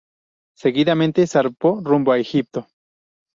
Seguidamente zarpó rumbo a Egipto.